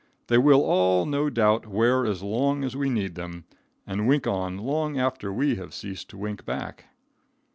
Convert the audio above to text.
They will all no doubt wear as long as we need them, and wink on long after we have ceased to wink back.